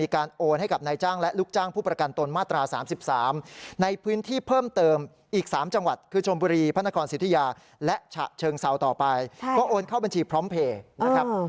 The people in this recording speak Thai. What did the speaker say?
ก็โอนเข้าบัญชีพร้อมเพย์นะครับ